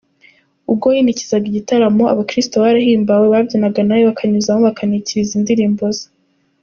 Ubwo yinikizaga igitaramo, abakiristo barahimbawe babyinana nawe, bakanyuzamo bakanikiriza indirimbo ze.